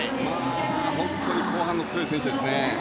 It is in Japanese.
本当に後半に強い選手ですね。